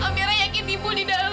amira yakin ibu di dalam